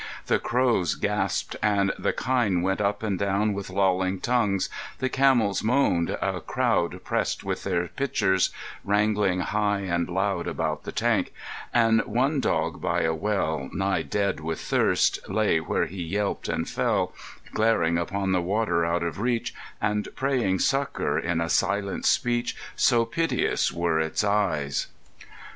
The crows gasped, and the kine went up and down With lolling tongues; the camels moaned; a crowd Pressed with their pitchers, wrangling high and loud About the tank; and one dog by a well, Nigh dead with thirst, lay where he yelped and fell, Glaring upon the water out of reach, And praying succour in a silent speech, So piteous were its eyes.